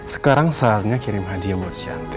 sekarang saatnya kirim hadiah buat siantik